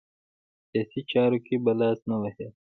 سیاسي چارو کې به لاس نه وهي.